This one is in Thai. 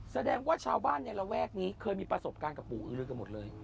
แสดงว่าชาวบ้านในระแวกนี้เคยมีประสบการณ์กับปู่อื้อลือกันหมดเลย